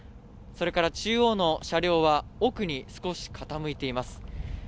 それから中央の車両は奥に少し傾いています。